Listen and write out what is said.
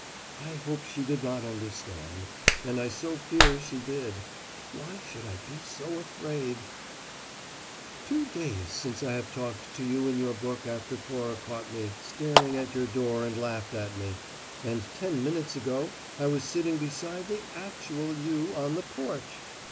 I hope she did not understand and I so fear she did. Why should I be so afraid?" ....... "Two days since I have talked to You in your book after Cora caught me staring at your door and laughed at me and ten minutes ago I was sitting beside the actual You on the porch!